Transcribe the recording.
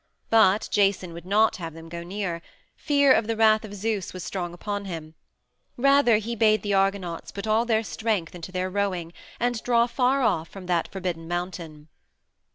But Jason would not have them go near; fear of the wrath of Zeus was strong upon him; rather, he bade the Argonauts put all their strength into their rowing, and draw far off from that forbidden mountain.